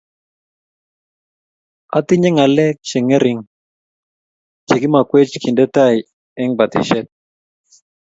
Atinye ngalek che ngering' che kimakwech kende tai eng' patishet